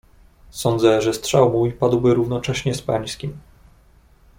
"Sądzę, że strzał mój padłby równocześnie z pańskim."